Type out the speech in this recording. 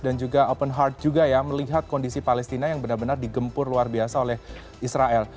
dan juga open heart juga ya melihat kondisi palestina yang benar benar digempur luar biasa oleh israel